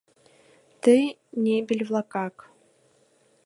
— Ты небель-влакак...